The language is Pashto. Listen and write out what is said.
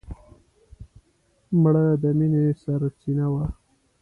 مړه د مینې سرڅینه وه